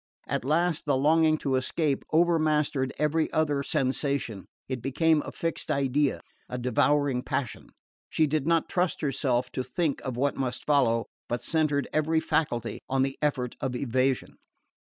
At last the longing to escape over mastered every other sensation. It became a fixed idea, a devouring passion. She did not trust herself to think of what must follow, but centred every faculty on the effort of evasion.